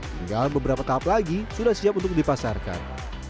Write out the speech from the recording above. tinggal beberapa tahap lagi sudah siap untuk dipasarkan